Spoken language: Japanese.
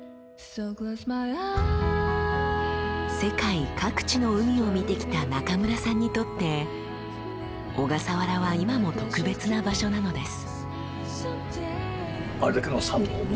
世界各地の海を見てきた中村さんにとって小笠原は今も特別な場所なのです。